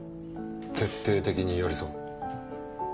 徹底的に寄り添う。